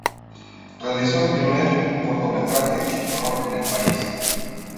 Realizó el primer cortometraje a color en el país.